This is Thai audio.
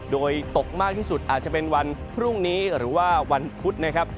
โดยตกมากที่สุดอาจจะเป็นวันพรุ่งนี้หรือว่าวันพุธนะครับ